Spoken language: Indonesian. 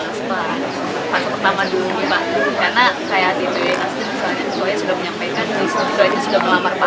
karena kayak di bumh misalnya